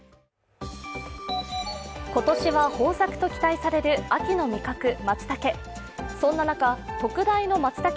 今年は豊作と期待される秋の味覚、まつたけ。